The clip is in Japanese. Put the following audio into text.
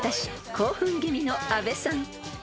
興奮気味の阿部さん］